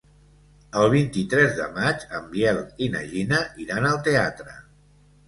El vint-i-tres de maig en Biel i na Gina iran al teatre.